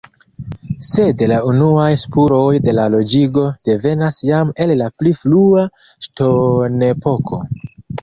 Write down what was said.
Sed la unuaj spuroj de la loĝigo devenas jam el la pli frua ŝtonepoko.